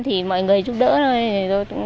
thì mọi người giúp đỡ thôi